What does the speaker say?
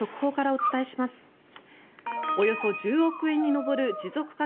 およそ１０億円に上る持続化